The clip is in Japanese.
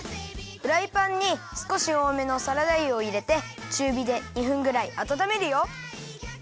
フライパンにすこしおおめのサラダ油をいれてちゅうびで２分ぐらいあたためるよ。